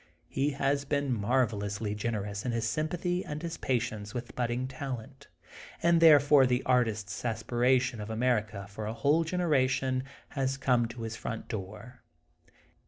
He has been marvelously generous in his sympathy and his patience with budding talent, and therefore the artists' aspiration of America for a whole generation has come to his front door.